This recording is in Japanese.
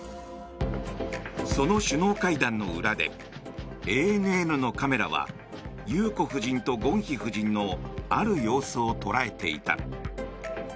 その首脳会談の裏でＡＮＮのカメラは裕子夫人とゴンヒ夫人のある様子を捉えていた。